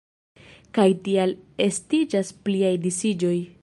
Kaj tial estiĝas pliaj disiĝoj.